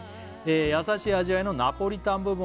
「優しい味わいのナポリタン部分を食べて」